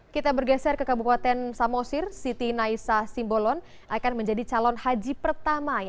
kita bergeser ke kabupaten samosir siti naisa simbolon akan menjadi calon haji pertama